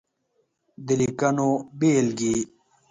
د ليکنو بېلګې :